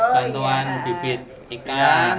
bantuan bibit ikan